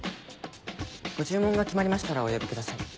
ご注文が決まりましたらお呼びください。